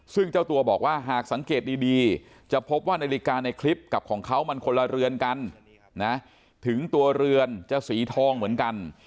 ซึ่งเจ้าตัวบอกว่าหากสังเกตดีจะพบว่านาฬิกาในคลิปกับของเขามันคนละเรือนกันนะถึงตัวเรือนจะสีทองเหมือนกัน